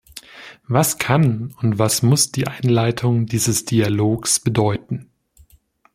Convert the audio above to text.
Was kann und was muss die Einleitung dieses Dialogs bedeuten?